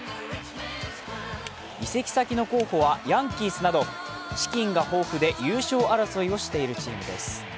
移籍先の候補はヤンキースなど資金が豊富で優勝争いをしているチームです。